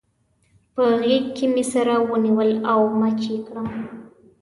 په غېږ کې مې سره ونیول او مچ يې کړم.